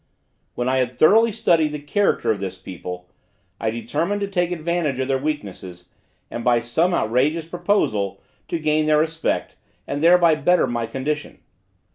When I had thoroughly studied the character of this people, I determined to take advantage of their weaknesses, and by some outrageous proposal, to gain their respect, and thereby better my condition.